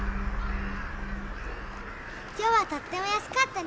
今日はとっても安かったね。